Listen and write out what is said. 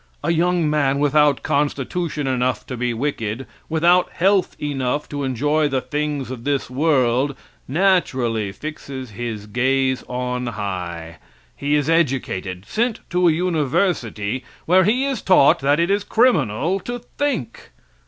A young man, without constitution enough to be wicked, without health enough to enjoy the things of this world, naturally, fixes his gaze on high. He is educated, sent to a university where he is taught that it is criminal to think.